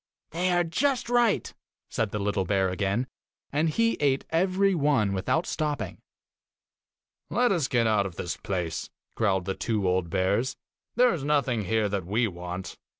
'They are just right!' said the little bear again, and he ate every one without stopping. 'Let us get out of this place,' growled the two old bears; 'there is nothing here that we want.